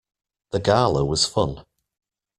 The Gala was fun.